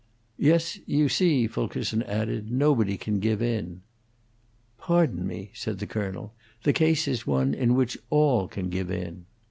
"Yes, you see," Fulkerson added, "nobody can give in." "Pardon me," said the colonel, "the case is one in which all can give in."